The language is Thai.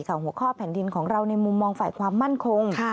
หัวข้อแผ่นดินของเราในมุมมองฝ่ายความมั่นคง